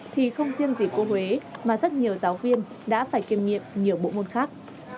thì không riêng gì cô huế mà rất nhiều giáo viên đã phải kiêm nhiệm nhiều bộ môn khác